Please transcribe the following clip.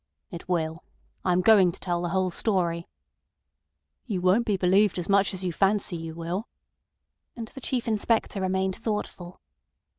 "It will. I am going to tell the whole story." "You won't be believed as much as you fancy you will." And the Chief Inspector remained thoughtful.